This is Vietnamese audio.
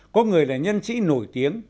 có người là nhân sĩ nổi tiếng